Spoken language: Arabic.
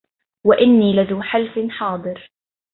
وإني لذو حلف حاضر